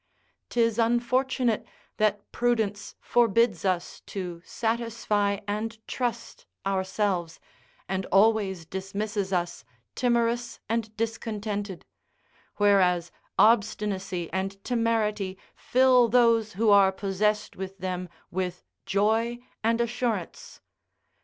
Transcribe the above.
'Tis unfortunate that prudence forbids us to satisfy and trust ourselves, and always dismisses us timorous and discontented; whereas obstinacy and temerity fill those who are possessed with them with joy and assurance.